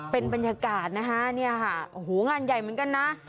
เป็นบรรยากาศนะฮะงานใหญ่เหมือนกันนะ